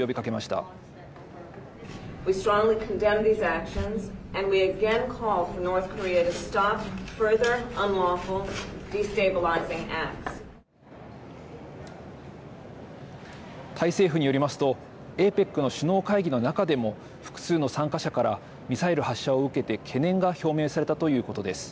タイ政府によりますとＡＰＥＣの首脳会議の中でも複数の参加者からミサイル発射を受けて懸念が表明されたということです。